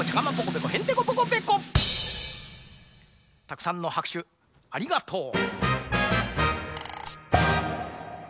たくさんのはくしゅありがとう。